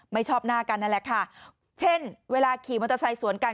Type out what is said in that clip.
ไม่ชอบหน้ากันนั่นแหละค่ะเช่นเวลาขี่มอเตอร์ไซค์สวนกัน